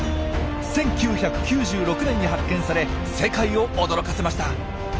１９９６年に発見され世界を驚かせました。